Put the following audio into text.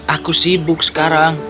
aku sibuk sekarang